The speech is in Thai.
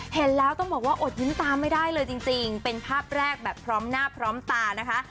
เห็นแล้วต้องบอกว่าอดยิ้มตามไม่ได้เลยจริงเป็นภาพแรกแบบพร้อมหน้าพร้อมตานะคะ